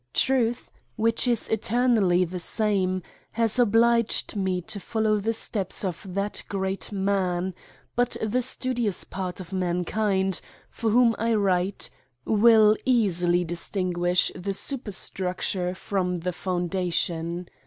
Truth^ which is eter nally the same, has obliged me to follow the steps of that great man ; but the studious part of man kind, for whom I write, will easily distinguish the XIV INTRODUCTION. superstructurfe from the foundation.